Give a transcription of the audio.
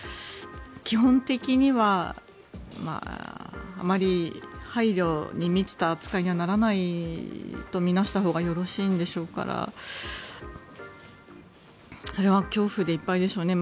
基本的にはあまり配慮に満ちた扱いにはならないと見なしたほうがよろしいでしょうからそれは恐怖でいっぱいでしょうね。